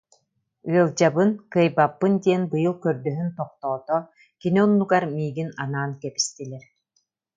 Ыалдьабын, кыайбаппын диэн быйыл көрдөһөн тохтоото, кини оннугар миигин анаан кэбистилэр